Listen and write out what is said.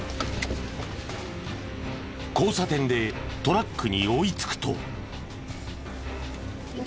交差点でトラックに追いつくと。